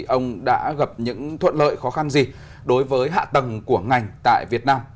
ông đã gặp những thuận lợi khó khăn gì đối với hạ tầng của ngành tại việt nam